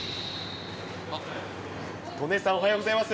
戸根さん、おはようございます。